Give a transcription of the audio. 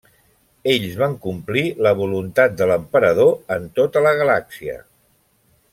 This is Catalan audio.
Ells van complir la voluntat de l'emperador en tota la galàxia.